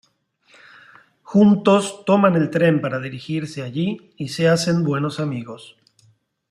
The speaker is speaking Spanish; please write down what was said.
Juntos toman el tren para dirigirse allí y se hacen buenos amigos.